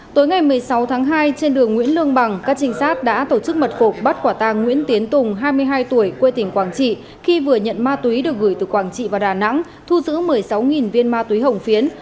tối ngày một mươi sáu tháng hai trên đường nguyễn lương bằng các trinh sát đã tổ chức mật phục bắt quả tàng nguyễn tiến tùng hai mươi hai tuổi quê tỉnh quảng trị khi vừa nhận ma túy được gửi từ quảng trị vào đà nẵng thu giữ một mươi sáu viên ma túy hồng phiến